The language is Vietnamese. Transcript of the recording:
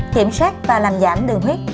kiểm soát và làm giảm đường huyết